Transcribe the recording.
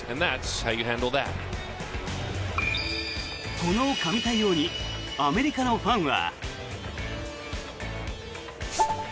この神対応にアメリカのファンは。